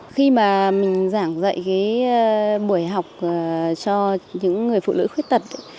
khi mà mình giảng dạy cái buổi học cho những người phụ nữ khuyết tật